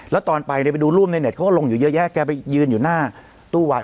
แล้วตอนไปเนี่ยไปดูรูปในเต็ดเขาก็ลงอยู่เยอะแยะแกไปยืนอยู่หน้าตู้วัด